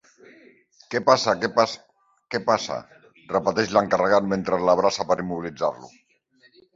Què passa, què passa, què passa? —repeteix l'encarregat, mentre l'abraça per immobilitzar-lo.